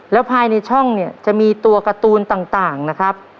แล้วภายในช่องเนี่ยจะมีตัวการ์ตูนต่างนะครับ